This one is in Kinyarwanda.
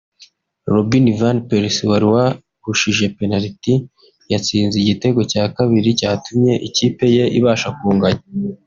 Robin Van Persi wari wahushije penaliti yatsinze igitego cya kabiri cyatumye ikipe ye ibasha kunganya